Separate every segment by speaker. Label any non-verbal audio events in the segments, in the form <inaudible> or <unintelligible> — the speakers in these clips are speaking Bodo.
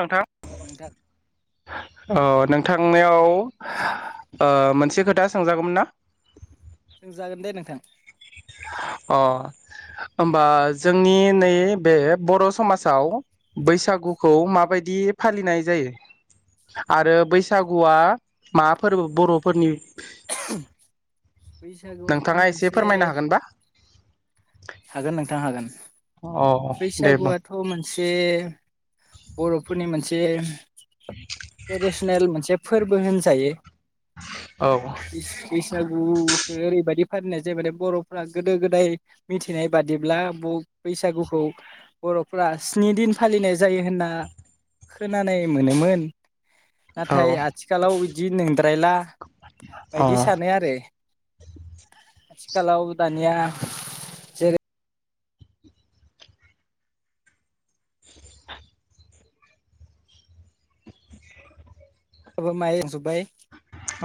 Speaker 1: नोंथां
Speaker 2: नोंथां
Speaker 1: औ। नोंथांनियाव। <inaudible> आ मोन। से खोथा सोंजागौमोन ना।
Speaker 2: जागोन दे नोंथां।
Speaker 1: अ ओमबा जोंनि नै बे बर' समाजाव बैसागुखौ माबायदि फालिनाय जायो आरो बैसागुआ मा फोरबो बर'फोरनि।
Speaker 2: बैसागुआथ
Speaker 1: नोंथाङा एसे
Speaker 2: मोनसे।
Speaker 1: फोरमायनो हागोनबा
Speaker 2: हागोन नोंथां हागोन।
Speaker 1: अ दे बुं
Speaker 2: बैसागुआथ' मोनसे बरफोरनि मोनसे बेह ट्रेडिसनेल मोनसे फोरबो होनजायो।
Speaker 1: औ
Speaker 2: इस-इसागु। बु- ओरैबादि फालिनाय जायो मान बरफोरा गोदो गोदाय मिथिनाय बादिब्ला-ब बैसागु। खौ बर'फोरा स्नि दिन फालिनाय जायो होनना खोनानाय मोनोमोन।
Speaker 1: औ
Speaker 2: नाथाय आथिखालाव। जि <unintelligible> रायला
Speaker 1: अ
Speaker 2: बायदि सानो आरो। खालाव दानिया जेरै।
Speaker 1: <unintelligible>
Speaker 2: <unintelligible>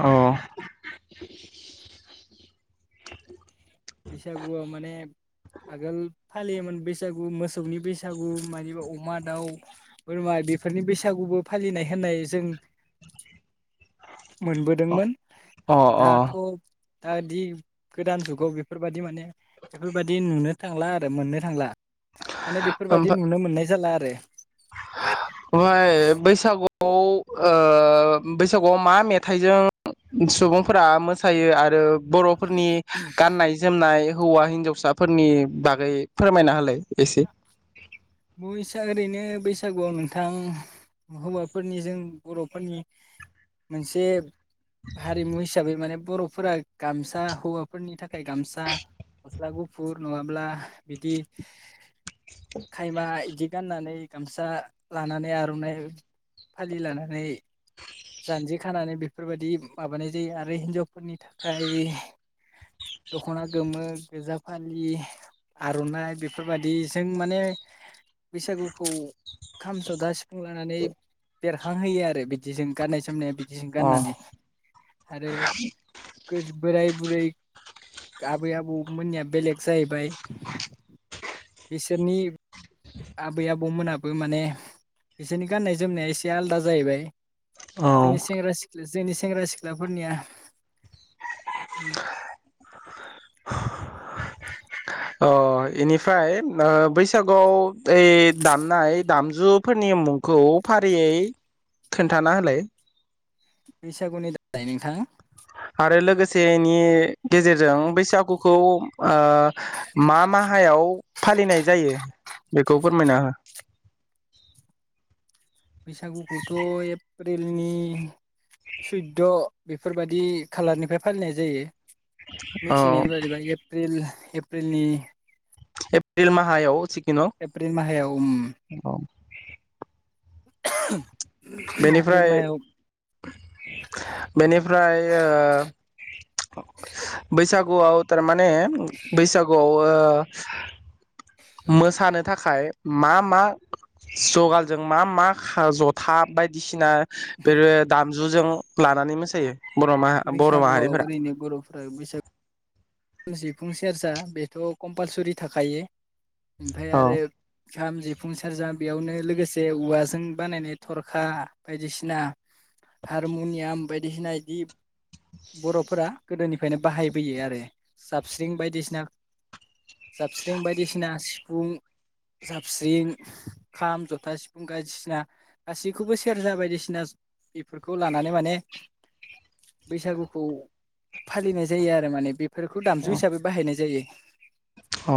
Speaker 1: अ।
Speaker 2: बैसागुआव माने आगोल फालियोमोन बैसागु मोसौनि बैसागु मानिबा अमा दाउ बोरमा बेफोरनि बैसागुबो फालिनाय होननाय जों। मोनबोदोंमोन
Speaker 1: अ अ
Speaker 2: दाथ। था-दि गोदान जुगाव बेफोरबादि माने बेफोरबादि नुनो थांला आरो मोननो थांला। माने बेफोरबादि नुनो मोननाय जाला। <inaudible>
Speaker 1: बैसागु खौ बैसागुआव मा मेथाइजों सुबुंफोरा मोसायो आरो बर'फोरनि गाननाय जोमनाय हौवा हिन्जावसाफोरनि बागै फोरमायना होलाय। एसे
Speaker 2: बैसाग ओरैनो बै बैसागुआव नोंथां हौवाफोरनि जों बर'फोरनि मोनसे हारिमु हिसाबै माने बर'फोरा गामसा हौवाफोरनि थाखाय गामसा गस्ला गुफुर नङाब्ला बिदि खायमा इदि गाननानै गामसा लानानै आर'नाइ फालि लानानै जानजि खानानै बेफोरबायदि माबानाय जायो आरो हिनजावफोरनि थाखाय दख'ना गोमो गोजा फालि आर'नाइ बेफोरबायदि बिजों माने बैसागुखौ खाम, जथा, सिफुं लानानै बेरखांहोयो आरो बिदि जों गाननाय जोमनाया बिदि जों
Speaker 1: अ
Speaker 2: गाननानै आरो गो बोराय, बुरै, आबै, आबौमोननिया बेलेग जाहैबाय। बिसोरनि आबै आबौमोनाबो माने बिसोरनि गाननाय जोमनाया एसे आलदा जाहैबाय जोंनि
Speaker 1: अ
Speaker 2: सेंग्रा सिख्ला जोंनि सेंग्रा सिख्लाफोरनिया। <inaudible>
Speaker 1: अ इनिफ्राय बैसागुआव ओइ दामनाय दामजुफोरनि मुंखौ फारियै खोन्थाना होलाय।
Speaker 2: बैसागुनि <unintelligible>
Speaker 1: आरो लोगोसेनि गेजेरजों बैसागुखौ। आ‌ मा माहायाव फालिनाय जायो बेखौ फोरमायना हो?
Speaker 2: बैसागुखौथ' एप्रिलनि सुटद बेफोरबायदि खालारनिफ्राय फालिनाय जायो। मिथिनाय
Speaker 1: औ
Speaker 2: बायदिब्ला एप्रिल एप्रिलनि
Speaker 1: एप्रिल माहायाव सिखुनु
Speaker 2: एप्रिल माहायाव उम <inaudible> एप्रिल
Speaker 1: बेनिफ्राय
Speaker 2: माहायाव
Speaker 1: बेनिफ्राय ओ बैसागु गुआव थार मा माने बैसागुआव ओ <inaudible> मोसानो थाखाय मा मा जगालजों मा मा जथा बायदिसिना <unintelligible> दाम जुजों लानानै मोसायो। बर' मा बर'
Speaker 2: बैसागुआव
Speaker 1: माहारिफोरा
Speaker 2: ओरैनो बर'फ्रा बैसागु सिफुं, सेरजा बेथ' कम्पालसरि थाखायो। उमफाय
Speaker 1: औ
Speaker 2: आरो खाम जिफुं सेरजा बेयावनो लोगोसे उवाजों बानायनाय थरखा बायदिसिना हारमुनियाम बायदिसिना इदिब बर'फोरा गोदोनिफ्रायनो बाहायबोयो आरो। जाबस्रिं बायदिसिना जाबस्रिं बायदिसिना सिफुं, जाबस्रिं, खाम, जथा, सिफुं गायदिसिना गासिखौबो सेरजा बायदिसिना बेफोरखौ लानानै माने बैसागुखौ फालिनाय जायो आरो माने बे फोरखौ दामजु हिसाबै बाहायनाय जायो।
Speaker 1: औ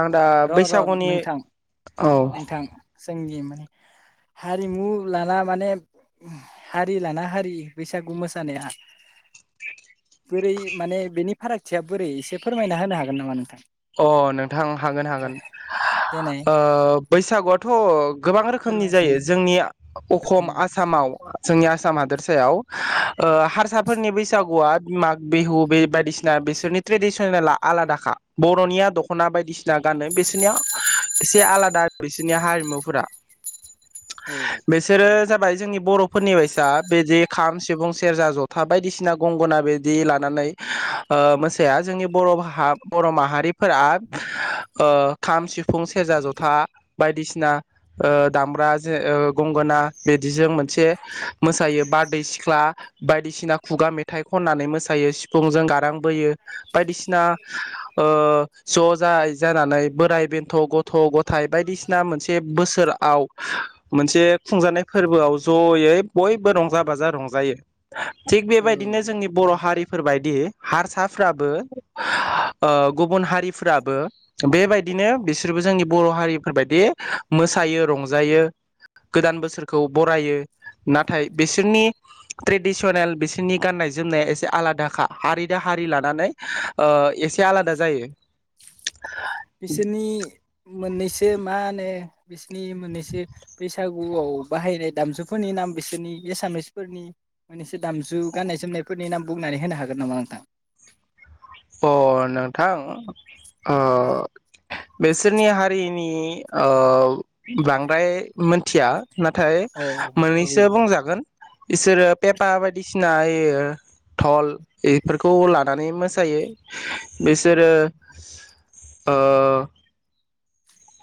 Speaker 1: आं दा
Speaker 2: र' र'
Speaker 1: बैसागुनि औ
Speaker 2: जोंगि माने हारिमु लाना माने हारि लाना हारि बैसागु मोसानाया बोरै माने बेनि फारागथिया बोरै एसे फोरमायना होनो हागोन नामा नोंथां?
Speaker 1: अ नोंथां हागोन हागोन
Speaker 2: देनाय
Speaker 1: ओ बैसागुआथ' गोबां रोखोमनि
Speaker 2: फोरमायसै
Speaker 1: जायो जोंनि आ अ अखम आसामाव जोंनि आसाम हादोरसायाव ओ हारसाफोरनि बैसागुआ माग बिहु बे बायदिसिना बेसोरनि ट्रेडिसनेला आलादाखा। बर'निया दख'ना बायदिसिना गानाय बिसिनिया एसे आलादा बिसिनिया हारमुफोरा।
Speaker 2: औ
Speaker 1: बेसोरो जाब बाय जोंनि बर'फोरनि बायसा बिजे खाम सिबुं सेरजा जथा बायदिसिना गंगना बेदि लानानै ओ मोसाया जोंनि बर' बाहा बर माहारिब फोरा <unintelligible> ओ खाम सिफ फुं सेरजा जथा बायदिसिन ना दामब्रा जे ओ गंगोना बिदिजों मोनसे मोसायो बारदै सिख्ला बायदिसिना खुगा मेथाइ खननानै मोसायो सिफुंजों गारां बोयो बायदिसिना ओ ज' जाय जानानै बोराय बेन्थ' गथ' ग थाइ बायदिसिना मोनसे बोस फोर आव मोनसे खुंजानाय फोर्बोआव जयै बयबो रंजा बाजा रंजायो। थिग
Speaker 2: औ
Speaker 1: बेबायदिनो जोंनि बर' हारि फोरबायायदि हारसाफ्राबो ओ गुबुन हारिफ्राबो बेबायदिनो बिसोरबो जोंनि बर' हारिफोरबायदि मोसायो रंजायो गोदान बोसोरखौ बरायो नाथाय बिसोरनि ट्रेडिसनेल बिसिनि गाननाय जोमनाया एसे आलादाखा हारि दा हारि लानानै ओ एसे आलादा जायो।
Speaker 2: बिसोरनि। मोननैसो मा होनो बिसिनि मोननैसो बैसागुआव बाहायनाय दामजुफोरनि नाम बिसोरनि एसामिसफोरनि मोननैस दामजु गाननाय जोमनायफोरनि नाम बुंनानै होनो हागोन नामा नोंथां?
Speaker 1: अ नोंथां ओ बिसोरनि हारिनि ओ बांद्राय मोनथिया। नाथाय
Speaker 2: औ औ
Speaker 1: मोननैसो बुंजागोन। इसोरो पेपा बायदिसि नायो टल एफोरखौ लानानै मोसायो। बिसोरो ओ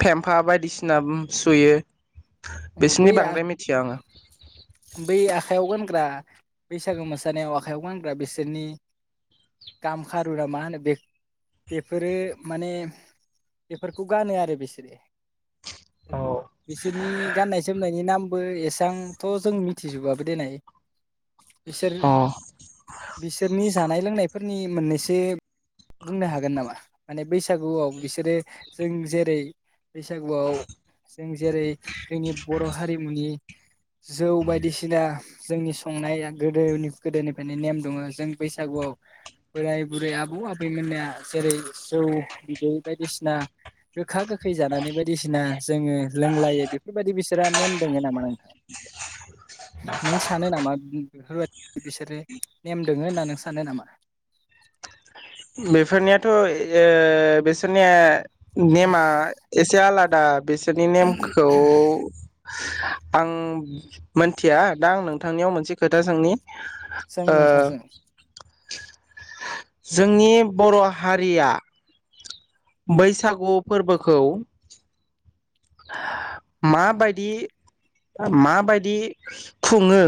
Speaker 1: फेमफा बायदिसिना सुयो
Speaker 2: औ
Speaker 1: बिसिनि
Speaker 2: बै
Speaker 1: बांद्राय मिथिया आङो
Speaker 2: बै आखायाव गानग्रा बैसागु मोसानायाव आखायाव गानग्रा बिसोरनि गाम खारुा मा होनो बे बेफोरो माने बेफोरखौ गानो आरो बिसोरो बिखौ
Speaker 1: आङो
Speaker 2: बिसोरनि गाननाय जोमनायनि नाम बो‌ एसांथ' जों मिथिजोबबाबो देननाय बिसोर
Speaker 1: अ
Speaker 2: बिसोरनि जानाय लोंनाय फोरनि मोननैसो बुंनो हागोन नामा माने बैसागुआव बिसोरो जों जेरै बैसागुआव जों जेरै जोंनि बर' हारिमुनि जौ बायदिसिना जोंनि संनाया गोदोनि गोदोनिफ्रायनो नेम दङ जों बैसागुआव बोराय बुरै आबौ आबैमोना जेरै जौ बिदै बायदिसिना गोखा गोखै जानानै बायदिसिना जोङो लोंलायो बेफोरबायदि बिसोरहा नेम दङ नामा नोंथां? नों सानो नामा बेफोरबायदि बिसोरो नेम दोङो होननानै नों सानो नामा?
Speaker 1: बेफोरनियाथ बिसोरनिया नेमा एसेयाला दा बिसोरनि नेमखौ आं मिथिया दा आं नोंथांनियाव मोनसे खोथा सोंनि
Speaker 2: जों
Speaker 1: ओ
Speaker 2: नोंथांजों
Speaker 1: जोंनि बर हारिया बैसागु फोरबोखौ माबायदि माबायदि खुङो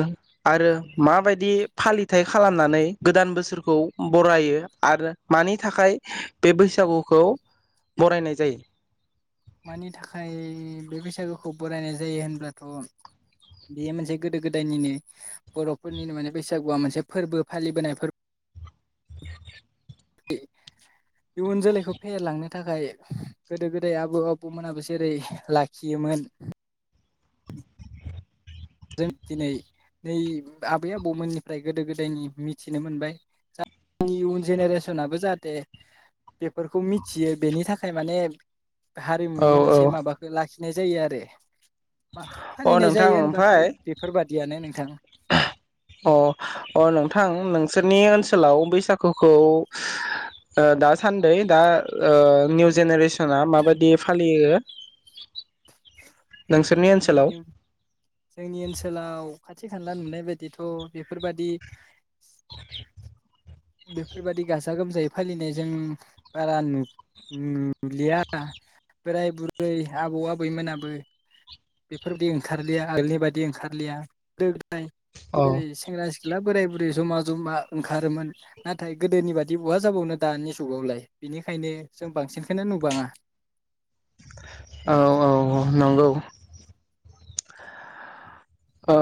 Speaker 1: आरो माबायदि फालिथाय खालामनानै गोदान बोसोरखौ बरायो आरो मानि थाखाय बे बैसागुखौ बरायनाय जायो
Speaker 2: मानि थाखाय बे बैसागुखौ बरायनाय जायो होनब्लाथ' बेयो मोनसे गोदो गोदायनिनो बर'फोरनिनो माने बैसागुआ मोनसे फोरबो फालिबोनाय फोरबो
Speaker 1: <inaudible>
Speaker 2: इयुन जोलैखौ फेहेरलांनो थाखाय गोदो गोदाय आबौ आबौमोनाबो जेरै लाखियोमोन जों दिनै नै आबै आबौमोननिफ्राय गोदो गोदायनि मिथिनो मोनबाय जनि इयन जेनेरेसनाबो जाहाथे बेफोरखौ मिथियो बेनि थाखाय माने
Speaker 1: औ
Speaker 2: हारिमुनि मोनसे
Speaker 1: औ
Speaker 2: माबाखो ला ना जायो आरो म फालिनाय जायो होनबा
Speaker 1: ओय अ अ नोंथां बिसोरनि ओनसोलाव बैसागुखौ दासान्दै दा निउ जेनेरेसना माबायदि फालियो नोंसोरनि
Speaker 2: जोंनि
Speaker 1: ओनसोलाव
Speaker 2: युन जोंनि ओनसोलाव खाथि खाला नुनाय बायदिथ' बेफोरबायदि बेफोरबायदि गाजा गोमजायै फालिनायजों बारा नु-नुलिया बोराय बुरै आबौ आबैमोनाबो बेफोरबायदि ओंखारलिया आगोलनि बायदि ओंखारलिया फ्राय
Speaker 1: औ
Speaker 2: जेरै सेंग्रा सिख्ला सिखला बोराय बुरै जमा जमा ओंखारोमोन नाथाय गोदोनि बादि बहा जाबावनो दानि जुगावलाय बेनिखायनो जों बांसिनखौनो नुबांङा।
Speaker 1: औ औ नंगौ अ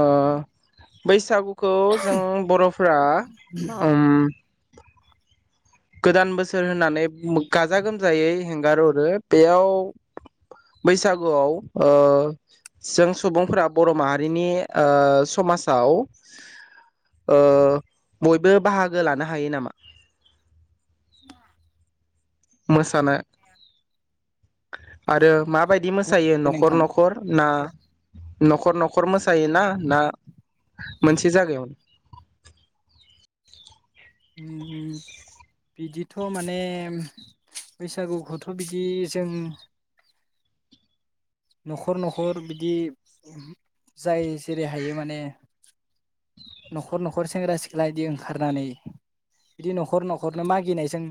Speaker 1: बैसागु खौ जों बर'फोरा ओम गोदान बोसोर होननानै गाजा गोमजायै हेंगारहरो बेयाव बैसागुआव ओ जों सुबुंफोरा बर' माहारिनि ओ समाजाव ओ बयबो बाहागो लानो हायो नामा? मोसानो आरो माबायदि मोसा बेयो नख'र
Speaker 2: नोंथां
Speaker 1: नख'र ना नख'र नख'र मोसा जायोना ना मोनसे जागायावनो <inaudible>
Speaker 2: <unintelligible> बिदिथ माने बैसागुखौथ बिदि जों नख'र नख'र बिदि जाय जेरै हायो माने नखर नखर सेंग्रा सिख्ला इदि ओंखारनानै बिदि नखर नखरनो मागिनाय जों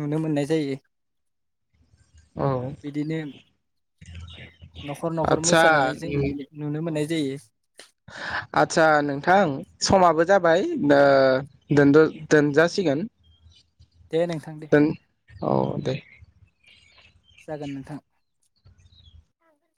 Speaker 2: नुनो मोननाय जायो
Speaker 1: औ
Speaker 2: बिदिनो न'खर न'खर
Speaker 1: आदसा
Speaker 2: मोसानानै जों नुनो मोननाय जायो
Speaker 1: आदसा नोंथां समाबो जाबाय दा दोनद दोनजासिगोन
Speaker 2: दे नोंथां दे
Speaker 1: दोन औ दे।
Speaker 2: जागोन नोंथां